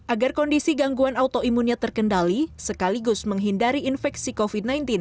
agar kondisi gangguan autoimunnya terkendali sekaligus menghindari infeksi covid sembilan belas